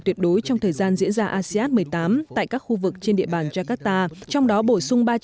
tuyệt đối trong thời gian diễn ra asean một mươi tám tại các khu vực trên địa bàn jakarta trong đó bổ sung ba trăm linh